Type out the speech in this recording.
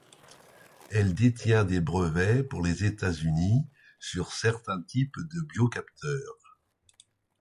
Elle détient des brevets pour les États-Unis sur certains types de biocapteurs.